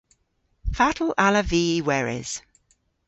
Fatel allav vy y weres?